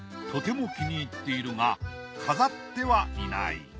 とても気に入っているが飾ってはいない。